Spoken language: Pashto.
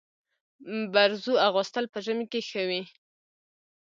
برزو اغوستل په ژمي کي ښه وي.